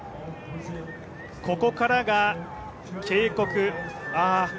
ここからが警告、ああ。